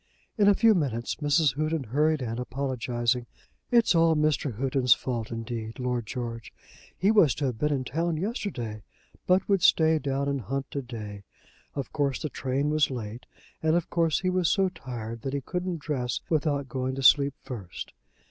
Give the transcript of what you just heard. In a few minutes Mrs. Houghton hurried in, apologising. "It's all Mr. Houghton's fault indeed, Lord George. He was to have been in town yesterday, but would stay down and hunt to day. Of course the train was late, and of course he was so tired that he couldn't dress without going to sleep first."